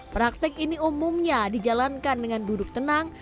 praktek ini umumnya dijalankan dengan duduk tenang